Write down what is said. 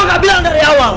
kenapa gak bilang dari awal